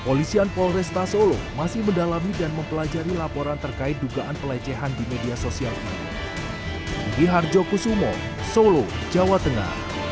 polisian polresta solo masih mendalami dan mempelajari laporan terkait dugaan pelecehan di media sosial ini